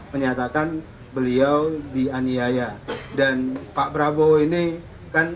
menyatakan beliau di aniaya dan pak prabowo ini kan